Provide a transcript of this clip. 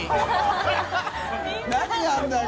何があるんだよ